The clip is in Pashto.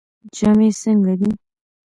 جامې یې څنګه دي؟